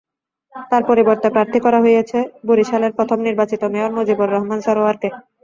তাঁর পরিবর্তে প্রার্থী করা হয়েছে বরিশালের প্রথম নির্বাচিত মেয়র মজিবর রহমান সরোয়ারকে।